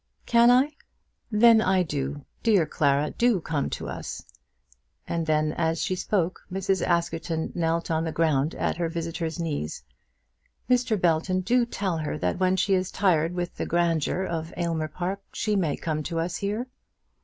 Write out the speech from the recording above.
"Can I? Then I do. Dear Clara, do come to us." And then as she spoke Mrs. Askerton knelt on the ground at her visitor's knees. "Mr. Belton, do tell her that when she is tired with the grandeur of Aylmer Park she may come to us here."